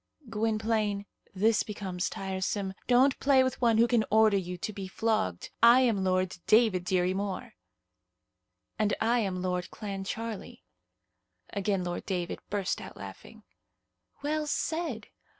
"Gwynplaine, this becomes tiresome. Don't play with one who can order you to be flogged. I am Lord David Dirry Moir." "And I am Lord Clancharlie." Again Lord David burst out laughing. "Well said!